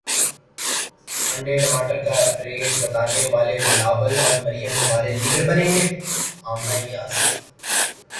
انڈے ٹماٹر کے ریٹ بتانے والے بلاول اور مریم ہمارے لیڈر بنیں گے امنہ الیاس